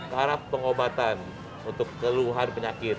para pengobatan untuk keluhan penyakit